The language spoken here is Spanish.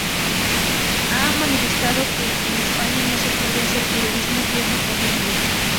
Ha manifestado que "en España no se puede hacer periodismo yendo por libre".